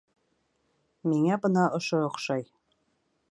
Миңә бына ошо оҡшай